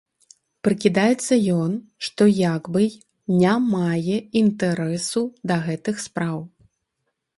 Прыкідаецца ён, што як бы й не мае інтарэсу да гэтых спраў.